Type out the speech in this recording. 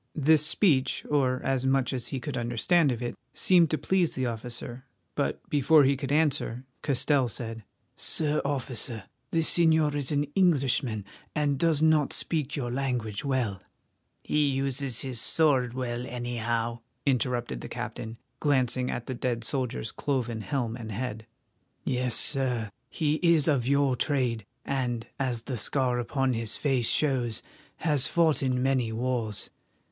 This speech, or as much as he could understand of it, seemed to please the officer, but before he could answer, Castell said: "Sir Officer, the señor is an Englishman, and does not speak your language well—" "He uses his sword well, anyhow," interrupted the captain, glancing at the dead soldier's cloven helm and head. "Yes, Sir, he is of your trade and, as the scar upon his face shows, has fought in many wars.